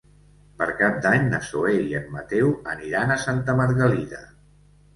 Per Cap d'Any na Zoè i en Mateu aniran a Santa Margalida.